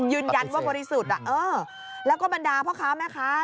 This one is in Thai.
ยืนยันว่าบริสุทธิ์แล้วก็บรรดาเพราะครั้งนะคะ